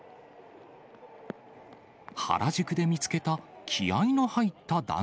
原宿で見つけた気合いの入った男